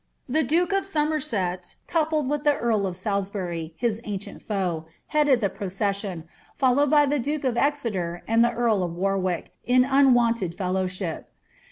The duke of Somerset, coupled with the carl of Salisbury, his ancient foe, headed the proces.sion, followed 1^ the duke of Exeter and the earl of Warwick, in unwonted fellowship.